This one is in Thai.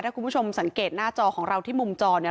ถ้าคุณผู้ชมสังเกตหน้าจอของเราที่มุมจอเนี่ย